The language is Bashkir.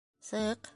Сыҡ.